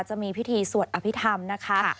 จะมีพิธีสวดอภิษฐรรมนะคะ